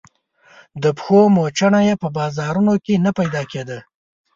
د پښو موچڼه يې په بازارونو کې نه پيدا کېده.